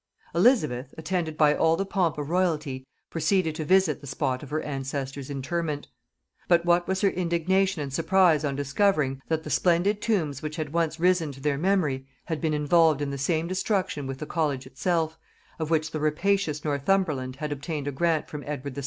Elizabeth, attended by all the pomp of royalty, proceeded to visit the spot of her ancestors' interment: but what was her indignation and surprise on discovering, that the splendid tombs which had once risen to their memory, had been involved in the same destruction with the college itself, of which the rapacious Northumberland had obtained a grant from Edward VI.